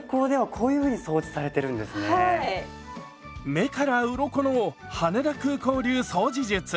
目からうろこの羽田空港流掃除術。